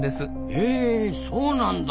へえそうなんだ！